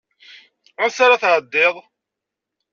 Ansa ara tɛeddiḍ?